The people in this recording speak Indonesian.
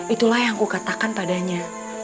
itulah yang aku katakan padanya